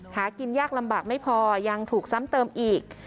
หากินยากลำบากไม่พอยังถูกซ้ำเติมอีก